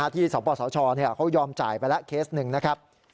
ที่สมบัติศาสตร์ชเขายอมจ่ายไปแล้วเคส๑นะครับ